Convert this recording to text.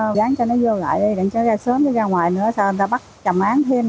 rồi cái giận động nó ráng cho nó vô lại để cho nó ra sớm rồi ra ngoài nữa sao người ta bắt trầm án thêm